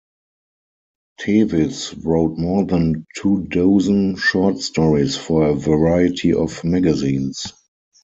Tevis wrote more than two dozen short stories for a variety of magazines.